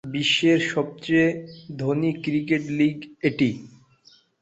বিশ্বের সবচেয়ে ধনী ক্রিকেট লিগ এটি।